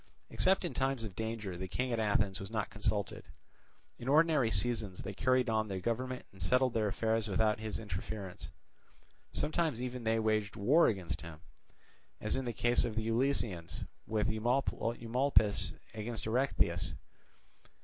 Except in times of danger the king at Athens was not consulted; in ordinary seasons they carried on their government and settled their affairs without his interference; sometimes even they waged war against him, as in the case of the Eleusinians with Eumolpus against Erechtheus.